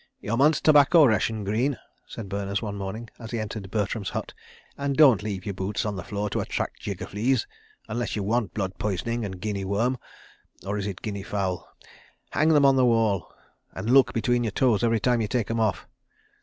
"Your month's tobacco ration, Greene," said Berners one morning, as he entered Bertram's hut, "and don't leave your boots on the floor to attract jigger fleas—unless you want blood poisoning and guinea worm—or is it guinea fowl? Hang them on the wall. ... And look between your toes every time you take 'em off.